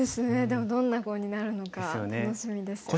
でもどんな碁になるのか楽しみですよね。